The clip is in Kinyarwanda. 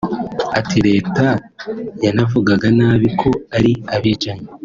ati ya Leta navugaga nabi ko ari abicanyi